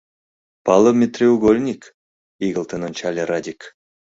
— Палыме треугольник, — игылтын ончале Радик.